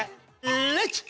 レッツ。